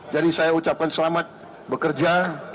jadi saya ucapkan selamat bekerja